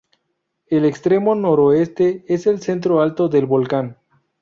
El extremo noroeste es el cerro Alto del Volcán.